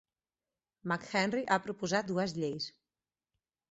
McHenry ha proposat dues lleis.